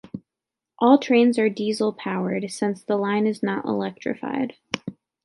All trains are diesel-powered, since the line is not electrified.